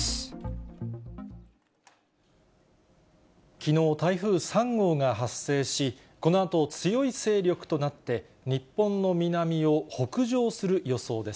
きのう、台風３号が発生し、このあと強い勢力となって、日本の南を北上する予想です。